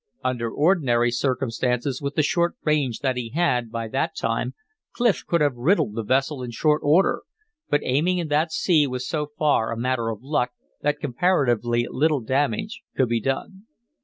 Under ordinary circumstances with the short range that he had by that time, Clif could have riddled the vessel in short order; but aiming in that sea was so far a matter of luck that comparatively little damage could be done.